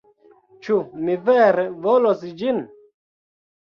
Ĉu mi vere volos ĝin?